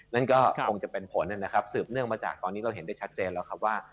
นั่นก็คงจะเป็นผลนะครับสืบเนื่องมาจากตอนนี้เราเห็นได้ชัดเจนแล้วครับว่า